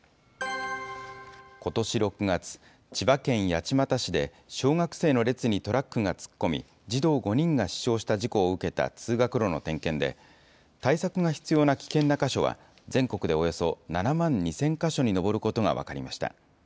ことし６月、千葉県八街市で小学生の列にトラックが突っ込み、児童５人が死傷した事故を受けた通学路の点検で、対策が必要な危険な箇所は、全国でおよそ７万２０００か所に上ることが分かりました。